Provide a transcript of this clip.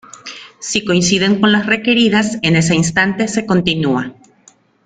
Si coinciden con las requeridas en ese instante, se continúa.